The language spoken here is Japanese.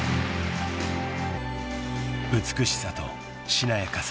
［美しさとしなやかさ］